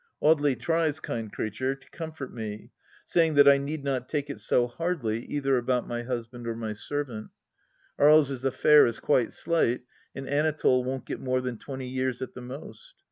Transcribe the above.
Audely tries, kind creature, to com fort me, saying that I need not take it so hardly either about my husband or my servant. Aries' affair is quite slight, and Anatole won't get more than twenty years at the most.